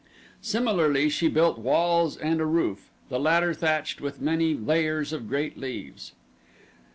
Similarly she built walls and a roof, the latter thatched with many layers of great leaves.